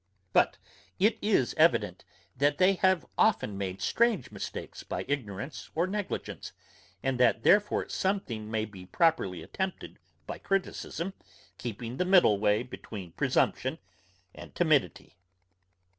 But it is evident that they have often made strange mistakes by ignorance or negligence, and that therefore something may be properly attempted by criticism, keeping the middle way between presumption and timidity.